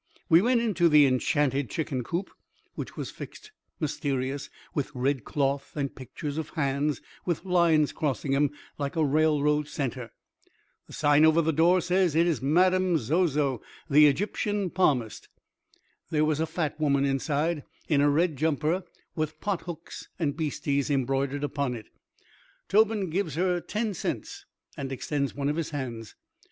We went into the enchanted chicken coop, which was fixed mysterious with red cloth and pictures of hands with lines crossing 'em like a railroad centre. The sign over the door says it is Madame Zozo the Egyptian Palmist. There was a fat woman inside in a red jumper with pothooks and beasties embroidered upon it. Tobin gives her ten cents and extends one of his hands.